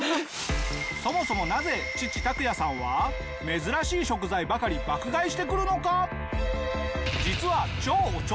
そもそもなぜ父タクヤさんは珍しい食材ばかり爆買いしてくるのか？